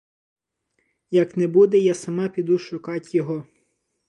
Як не буде — я сама піду шукать його.